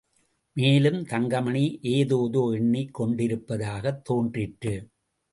மேலும், தங்கமணி ஏதேதோ எண்ணிக் கொண்டிருப்பதாகத் தோன்றிற்று.